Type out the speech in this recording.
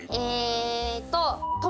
えーっと。